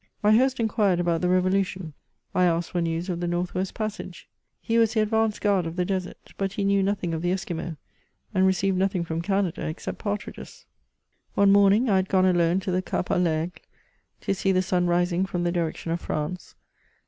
My host inquired about the Revolution; I asked for news of the North West passage. He was the ad vanced guard of the desert, but he knew nothing of the Esqui maux, and received nothing from Canada except partridges. CHATEAUBRIAND. 247 One morning I had gone alone to the Cap^a V Aiglcy to see the sun rising from the direction of France.